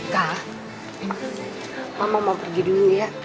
kak mama mau pergi dulu ya